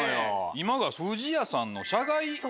今が不二家さんの。